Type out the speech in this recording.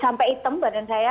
sampai hitam badan saya